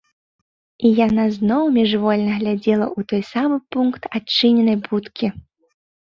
І яна зноў міжвольна глядзела ў той самы пункт адчыненай будкі.